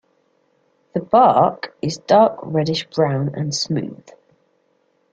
The bark is dark reddish brown and smooth.